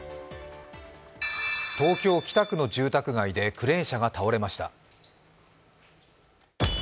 東京・北区の住宅街でクレーン車が倒れました。